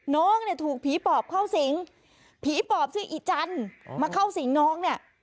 น้องเนี่ยถูกผีปอบเข้าสิงผีปอบชื่ออีจันทร์มาเข้าสิงน้องเนี่ย